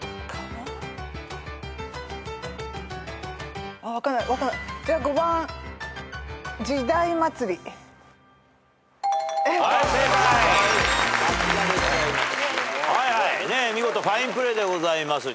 見事ファインプレーでございます。